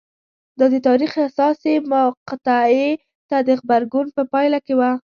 دا د تاریخ حساسې مقطعې ته د غبرګون په پایله کې وه